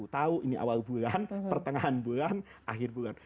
tengahan bulan akhir bulan